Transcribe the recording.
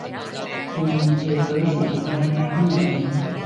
唔條女成個禮拜都未嚟。